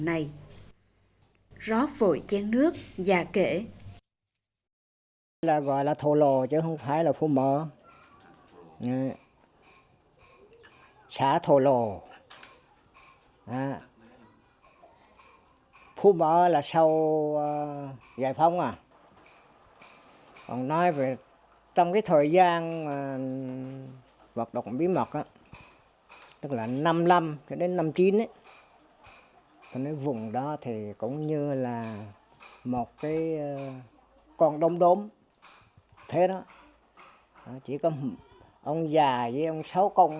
mà chỉ sắn quần đến trên đầu gối là có thể lội qua sông